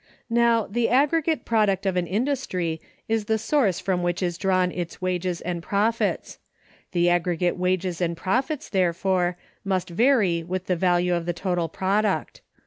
Now, the aggregate product of an industry is the source from which is drawn its wages and profits: the aggregate wages and profits, therefore, must vary with the value of the total product.